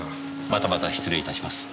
またまた失礼いたします。